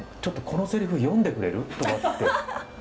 ちょっとこのセリフ読んでくれる？」とかって。